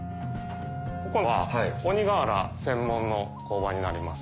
ここは鬼瓦専門の工場になります。